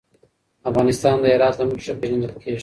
افغانستان د هرات له مخې ښه پېژندل کېږي.